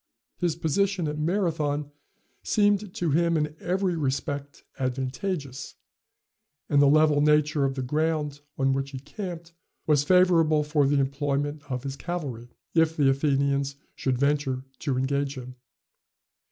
His position at Marathon seemed to him in every respect advantageous, and the level nature of the ground on which he camped was favorable for the employment of his cavalry, if the Athenians should venture to engage him.